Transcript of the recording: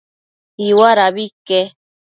Iuadabi ique